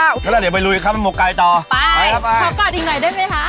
งั้นล่ะเดี๋ยวไปลุยครับมกไก่ต่อไปพอป่าดอีกหน่อยได้ไหมคะ